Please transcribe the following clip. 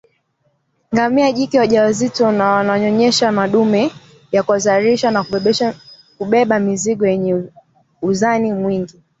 ngamia jike wajawazito na wanaonyonyesha madume ya kuzalisha na kubeba mizigo wenye uzani mwingi